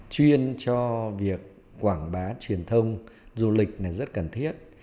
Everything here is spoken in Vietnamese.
chuyên cho việc quảng bá truyền thông du lịch là rất cần thiết